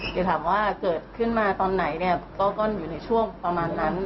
จะถามว่าเกิดขึ้นมาตอนไหนเนี่ยก็อยู่ในช่วงประมาณนั้น